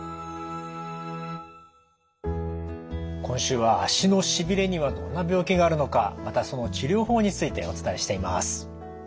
今週は足のしびれにはどんな病気があるのかまたその治療法についてお伝えしています。